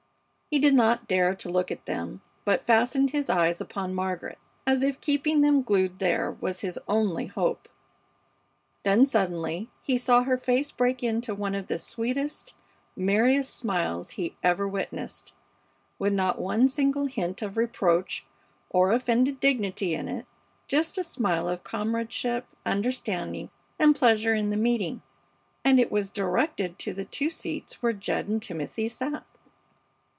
He did not dare to look at them, but fastened his eyes upon Margaret, as if keeping them glued there was his only hope. Then suddenly he saw her face break into one of the sweetest, merriest smiles he ever witnessed, with not one single hint of reproach or offended dignity in it, just a smile of comradeship, understanding, and pleasure in the meeting; and it was directed to the two seats where Jed and Timothy sat.